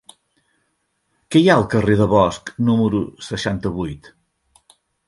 Què hi ha al carrer de Bosch número seixanta-vuit?